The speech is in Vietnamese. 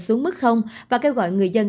xuống mức và kêu gọi người dân